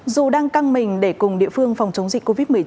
dù đang căng mình để cùng địa phương phòng chống dịch covid một mươi chín